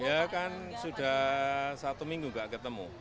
ya kan sudah satu minggu nggak ketemu